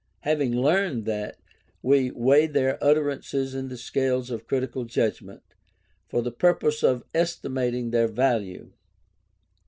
Having learned that, we weigh their utterances in the scales of critical judgment, for the purpose of estimating their value.